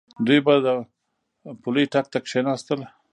دوی به د پولۍ ټک ته کېناستل.